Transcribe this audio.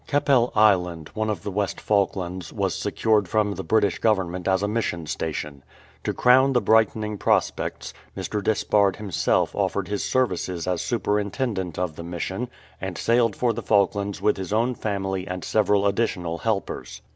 Keppel Island, one of the West Falklands, was secured from the British Govern ment as a mission station. To crown the brightening prospects, Mr. Despard himself offered his services as R 257 CAPTAIN GARDINER'S SON superintendent of the Mission, and sailed for the Falk lands with his own family and several additional helpers.